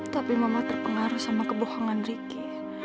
tapi mama terpengaruh sama kebohongan ricky